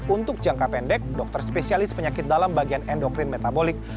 untuk jangka pendek dokter spesialis penyakit dalam bagian endokrin metabolik